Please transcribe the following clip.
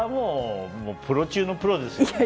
プロ中のプロですよ。